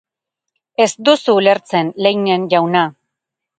Ez duzu ulertzen, Leinen jauna?